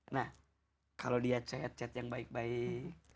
nah kalau dia chat chat yang baik baik